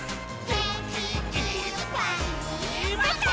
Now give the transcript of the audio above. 「げんきいっぱいもっと」